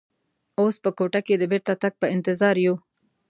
اوس په کوټه کې د بېرته تګ په انتظار یو.